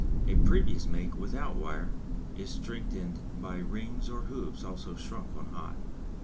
A previous make, without wire, is strengthened by rings or hoops also shrunk on hot.